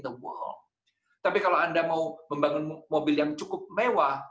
tetapi jika anda ingin membangun mobil yang cukup mewah